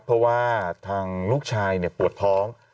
เพราะว่าทางลูกชายปวดท้อง